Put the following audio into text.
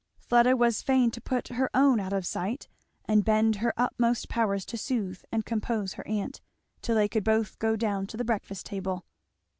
Fleda was fain to put her own out of sight and bend her utmost powers to soothe and compose her aunt, till they could both go down to the breakfast table.